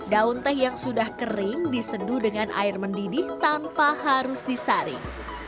daun teh yang sudah kering diseduh dengan air mendidih tanpa harus disaring